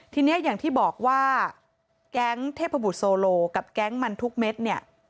ทีนี้อย่างที่บอกว่าแก๊งเทพบุตรโซโลกับแก๊งมันทุกเม็ดเนี่ย